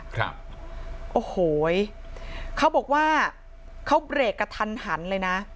ครับโอ้โหเขาบอกว่าเขาเบรกกระทันหันเลยนะ